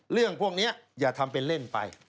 เรื่องพวกนี้อย่าทำเป็นเล่นไป